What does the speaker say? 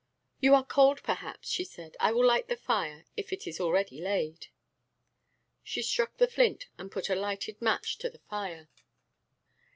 "You are cold, perhaps," she said, "I will light the fire; it is already laid." She struck the flint and put a lighted match to the fire.